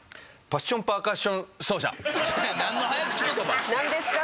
パッションパーカッション奏者。